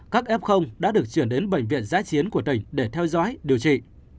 các f đã được chuyển đến bệnh viện giã chiến của tỉnh để theo dõi điều trị